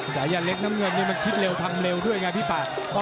สายันเล็กน้ำเงินนี่มันคิดเร็วทำเร็วด้วยไงพี่ปาก